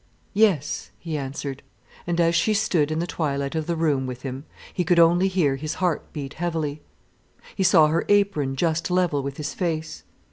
"Yes," he answered, and as she stood in the twilight of the room with him, he could only hear his heart beat heavily. He saw her apron just level with his face.